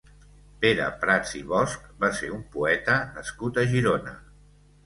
Pere Prats i Bosch va ser un poeta nascut a Girona.